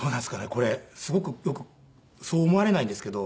これすごくよくそう思われないんですけど。